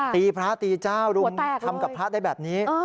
ตีพระตีเจ้ารุมทำกับพระได้แบบนี้